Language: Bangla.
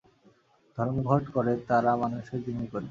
ধর্মঘট করে তারা মানুষকে জিম্মি করে।